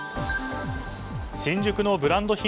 新宿のブランド品